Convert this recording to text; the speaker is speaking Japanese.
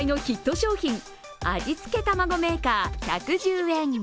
商品味付けたまごメーカー、１１０円。